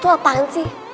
lu tuh apaan sih